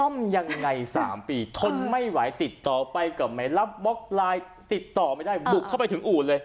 ยังไง๓ปีทนไม่ไหวติดต่อไปก็ไม่รับบล็อกไลน์ติดต่อไม่ได้บุกเข้าไปถึงอู่เลย